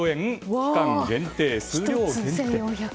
期間限定、数量限定。